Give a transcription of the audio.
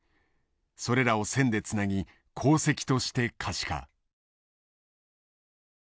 それらを線でつなぎ航跡として可視化。